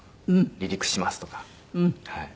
「離陸します」とかはい。